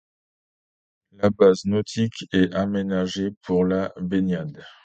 La base nautique est aménagée pour la baignade.